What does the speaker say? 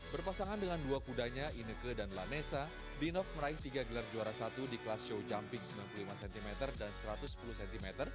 berpasangan dengan dua kudanya ineke dan lanesa dinov meraih tiga gelar juara satu di kelas show jumping sembilan puluh lima cm dan satu ratus sepuluh cm